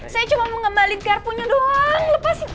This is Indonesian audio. saya cuma mau ngembalik garpunya doang lepas ini